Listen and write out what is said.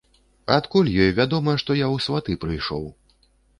Адкуль ёй вядома, што я ў сваты прыйшоў?